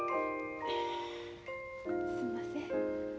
すんません。